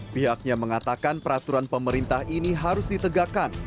pihaknya mengatakan peraturan pemerintah ini harus ditegakkan